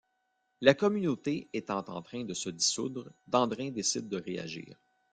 La communauté étant en train de se dissoudre, Dandrin décide de réagir.